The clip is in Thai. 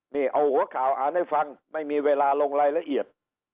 นี่เอาหัวข่าวอ่านให้ฟังไม่มีเวลาลงรายละเอียด